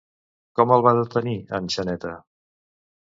Com el va detenir, en Xaneta?